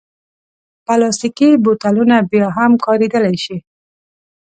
پلاستيکي بوتلونه بیا هم کارېدلی شي.